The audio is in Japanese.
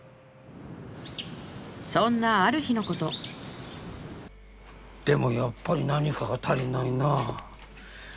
そんなある日のことでもやっぱり何かが足りないなぁ。